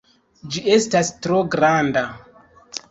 Ĝi estas tro granda!